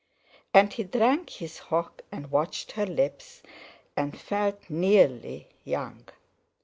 And he drank his hock, and watched her lips, and felt nearly young.